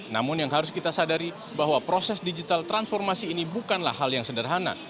namun yang harus kita sadari bahwa proses digital transformasi ini bukanlah hal yang sederhana